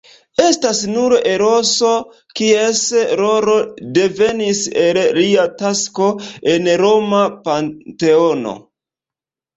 Estas nur Eroso, kies rolo devenis el lia tasko en roma panteono.